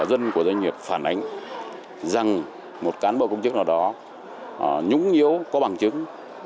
dân của doanh nghiệp phản ánh rằng một cán bộ công chức nào đó nhũng nhiễu có bằng chứng